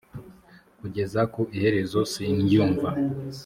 kugeza ku iherezo sindyumva